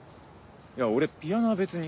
いや俺ピアノは別に。